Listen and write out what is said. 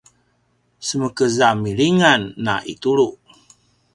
semekez a milingan na itulu